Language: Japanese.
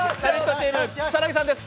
チーム草薙さんです。